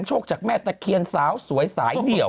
นางเพิ่งอายุ๒๕ปี